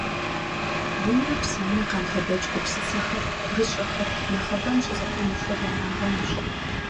Гумрэ псэмрэ къабгъэдэкӀ гупсысэхэр, гурыщӀэхэр нэхъыбэм щӀызэтемыхуэри арагъэнущ.